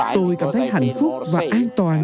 tôi cảm thấy hạnh phúc và an toàn